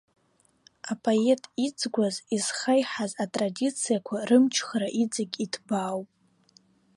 Апоет иҵгәаз, изхаиҳаз атрадициақәа рымчхара иҵегь иҭбаауп.